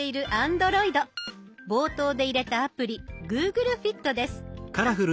冒頭で入れたアプリ「ＧｏｏｇｌｅＦｉｔ」です。